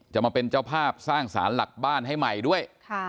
จะมาเป็นเจ้าภาพสร้างสารหลักบ้านให้ใหม่ด้วย